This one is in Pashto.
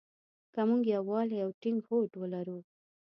که مونږ يووالی او ټينګ هوډ ولرو.